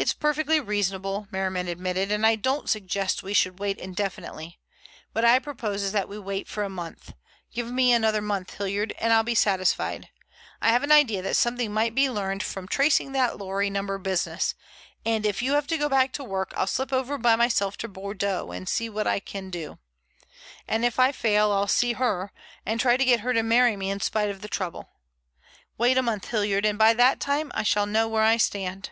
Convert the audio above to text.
"It's perfectly reasonable," Merriman admitted, "and I don't suggest we should wait indefinitely. What I propose is that we wait for a month. Give me another month, Hilliard, and I'll be satisfied. I have an idea that something might be learned from tracing that lorry number business, and if you have to go back to work I'll slip over by myself to Bordeaux and see what I can do. And if I fail I'll see her, and try to get her to marry me in spite of the trouble. Wait a month, Hilliard, and by that time I shall know where I stand."